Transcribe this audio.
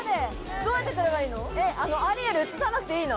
どうやって撮ればいいの？